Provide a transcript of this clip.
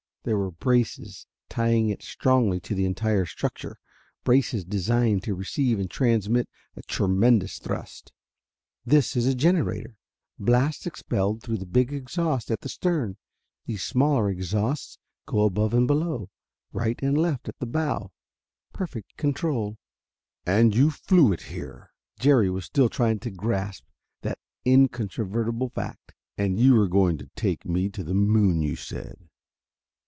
There were braces tying it strongly to the entire structure, braces designed to receive and transmit a tremendous thrust. "This is the generator. Blast expelled through the big exhaust at the stern. These smaller exhausts go above and below right and left at the bow. Perfect control!" "And you flew it here!" Jerry was still trying to grasp that incontrovertible fact. "And you were going to take me to the moon, you said."